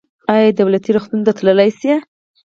ایا دولتي روغتون ته تللی شئ؟